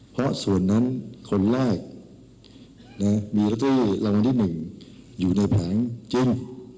เพราะส่วนนั้นคนแรกมีละตี่ละวันที่๑อยู่ในแผงเจน